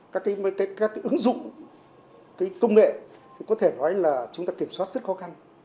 các cái ứng dụng cái công nghệ thì có thể nói là chúng ta kiểm soát rất khó khăn